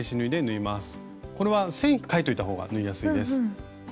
これは線描いておいたほうが縫いやすいです。